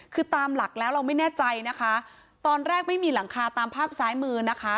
คือตามหลักแล้วเราไม่แน่ใจนะคะตอนแรกไม่มีหลังคาตามภาพซ้ายมือนะคะ